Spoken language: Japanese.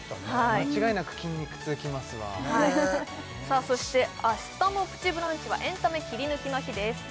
間違いなく筋肉痛きますわそして明日の「プチブランチ」はエンタメキリヌキの日です